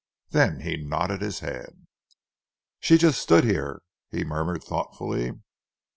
Then he nodded his head. "She stood just here," he murmured thoughtfully.